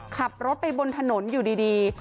ขับรถไปบนถนนอยู่ดี